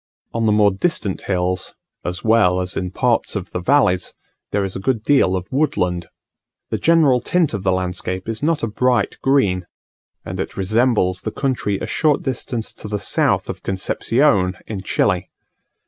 On the more distant hills, as well as in parts of the valleys, there is a good deal of woodland. The general tint of the landscape is not a bright green; and it resembles the country a short distance to the south of Concepcion in Chile.